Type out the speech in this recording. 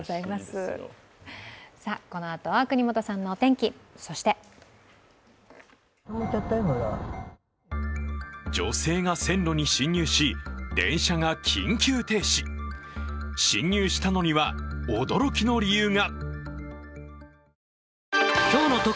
このあとは國本さんのお天気、そして女性が線路に侵入し電車が緊急停止。進入したのには驚きの理由が。